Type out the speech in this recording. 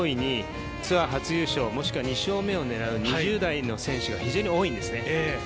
特に上位にツアー初優勝、もしくは２勝目を狙う２０代の選手が非常に多いんですね。